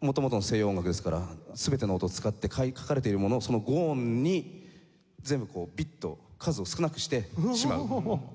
元々西洋音楽ですから全ての音を使って書かれているものをその５音に全部こうビッと数を少なくしてしまうという事をやっております。